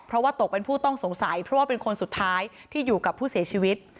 เพราะว่าตกเป็นผู้ต้องสงสัยเพราะว่าเป็นคนสุดท้ายที่อยู่กับผู้เสียชีวิต